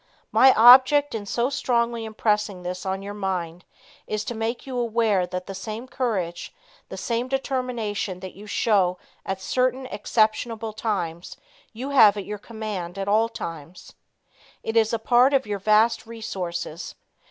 My object in so strongly impressing this on your mind is to make you aware that the same courage, the same determination that you show at certain exceptionable times you have at your command at all times. It is a part of your vast resources.